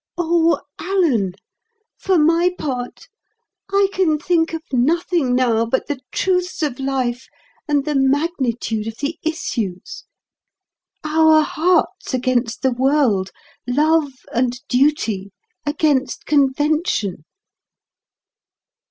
"O Alan, for my part I can think of nothing now but the truths of life and the magnitude of the issues. Our hearts against the world—love and duty against convention."